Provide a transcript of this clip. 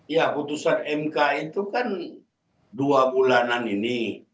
ya putusan mk itu kan dua bulanan ini